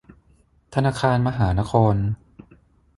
ธนาคารมหานคร